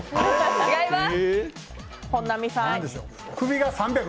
違いますね。